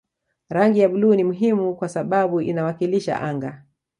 Rangi ya bluu ni muhimu kwa sababu inawakilisha anga